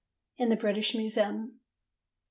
in the British Museum. 1873.